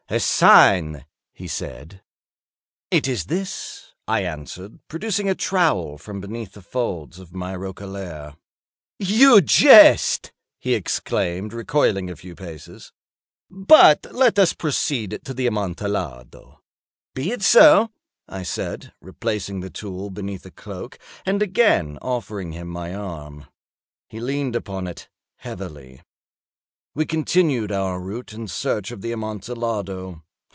"A sign," he said. "It is this," I answered, producing a trowel from beneath the folds of my roquelaire. "You jest," he exclaimed, recoiling a few paces. "But let us proceed to the Amontillado." "Be it so," I said, replacing the tool beneath the cloak, and again offering him my arm. He leaned upon it heavily. We continued our route in search of the Amontillado.